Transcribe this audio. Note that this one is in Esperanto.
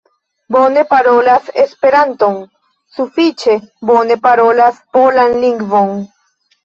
Bone parolas esperanton, sufiĉe bone parolas polan lingvon.